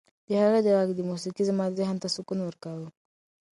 د هغې د غږ موسیقي زما ذهن ته سکون ورکاوه.